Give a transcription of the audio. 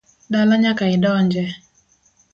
Dala nyaka idonje